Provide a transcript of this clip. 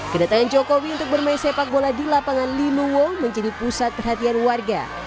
kedatangan jokowi untuk bermain sepak bola di lapangan linuwo menjadi pusat perhatian warga